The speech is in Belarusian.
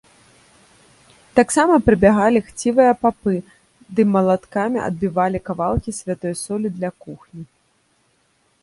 Таксама прыбягалі хцівыя папы ды малаткамі адбівалі кавалкі святой солі для кухні.